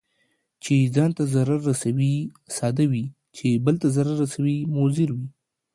چي ځان ته ضرر رسوي، ساده وي، چې بل ته ضرر رسوي مضر وي.